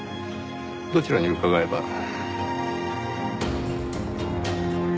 どちらに伺えば？